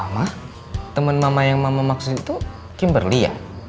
ma temen mama yang mama maksudin itu kimberly ya